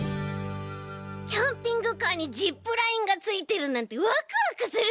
キャンピングカーにジップラインがついてるなんてワクワクする！